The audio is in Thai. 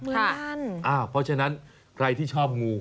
เพราะฉะนั้นใครที่ชอบงู